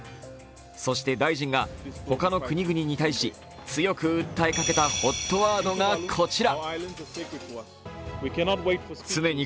そして大臣が他の国々に対し強く訴えかけたＨＯＴワードがこちら。